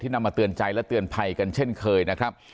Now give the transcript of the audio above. นำมาเตือนใจและเตือนภัยกันเช่นเคยนะครับ